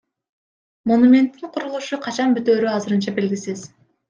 Монументтин курулушу качан бүтөөрү азырынча белгисиз.